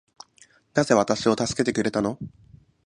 なぜ私を助けてくれたの